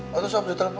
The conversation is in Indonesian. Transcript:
waktu siap di telepon